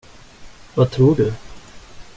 Vad tror du?